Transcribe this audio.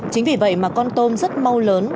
chính vì vậy mà con tôm rất mau lớn